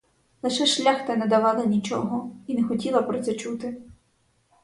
Лише шляхта не давала нічого і не хотіла про це чути.